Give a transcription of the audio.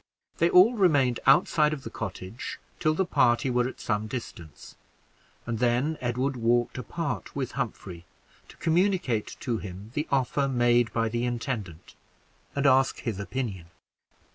They all remained outside of the cottage till the party were at some distance, and then Edward walked apart with Humphrey, to communicate to him the offer made by the intendant, and ask his opinion.